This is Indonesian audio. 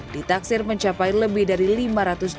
ditaksir mencapai lebih dari lima juta orang